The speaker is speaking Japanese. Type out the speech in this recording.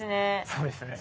そうですね。